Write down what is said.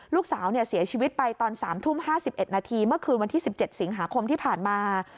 ลูกสาวเสียชีวิตไปตอน๓ทุ่ม๕๑นาทีเมื่อคืนวันที่๑๗สิงหาคมที่ผ่านมา